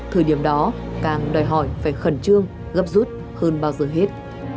thời điểm đó càng đòi hỏi phải khẩn trương gấp rút hơn bao giờ hết